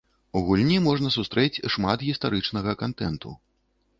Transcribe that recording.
У гульні можна сустрэць шмат гістарычнага кантэнту.